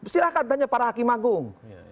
silahkan tanya para hakim agung